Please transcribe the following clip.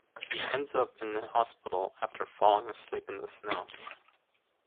He ends up in the hospital after falling asleep in the snow.